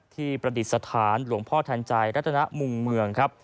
ที่ประดิษฐานหลวงพ่อทานใจรัฐนมุมเมือง